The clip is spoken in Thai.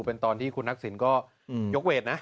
เป็นตอนที่คุณทักษิณก็ยกเวทนะ